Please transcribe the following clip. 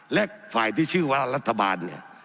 และฝ่ายที่ชื่อว่ารัฐบาลเนี่ย